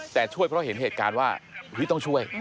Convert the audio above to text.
แต่ช่วยเพราะเห็นเหตุการณ์ว่าต้องช่วย